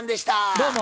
どうも。